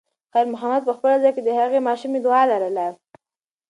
خیر محمد په خپل زړه کې د هغې ماشومې دعا لرله.